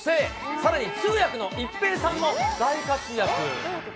さらに通訳の一平さんも大活躍。